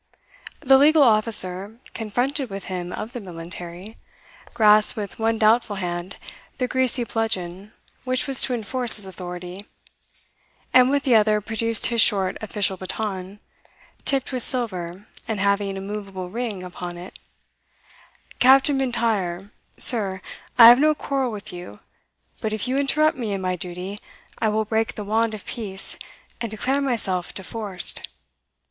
The legal officer, confronted with him of the military, grasped with one doubtful hand the greasy bludgeon which was to enforce his authority, and with the other produced his short official baton, tipped with silver, and having a movable ring upon it "Captain M'Intyre, Sir, I have no quarrel with you, but if you interrupt me in my duty, I will break the wand of peace, and declare myself deforced."